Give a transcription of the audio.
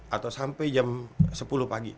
atau sampai jam sepuluh pagi